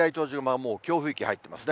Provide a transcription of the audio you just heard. もう強風域に入ってますね。